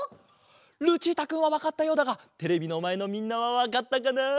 ルチータくんはわかったようだがテレビのまえのみんなはわかったかな？